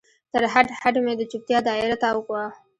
تر هډ، هډ مې د چوپتیا دا یره تاو وه